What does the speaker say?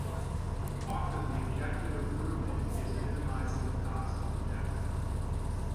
Often the objective of grooming is minimizing the cost of the network.